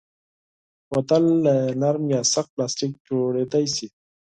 بوتل له نرم یا سخت پلاستیک جوړېدای شي.